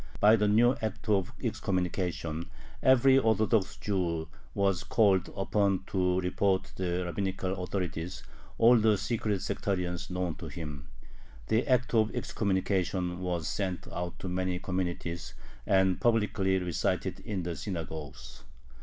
By the new act of excommunication every Orthodox Jew was called upon to report to the rabbinical authorities all the secret sectarians known to him. The act of excommunication was sent out to many communities, and publicly recited in the synagogues.